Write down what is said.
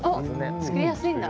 おっ！作りやすいんだ。